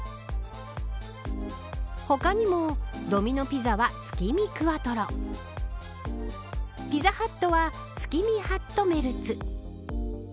他にもドミノ・ピザは月見クワトロピザハットは月見ハットメルツ。